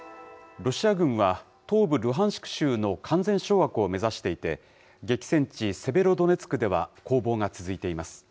ロシア軍は東部ルハンシク州の完全掌握を目指していて、激戦地、セベロドネツクでは攻防が続いています。